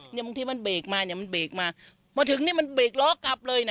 บางทีมันเบรกมาเนี่ยมันเบรกมามาถึงนี่มันเบรกล้อกลับเลยนะ